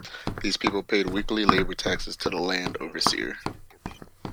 These people paid weekly labor taxes to the land overseer.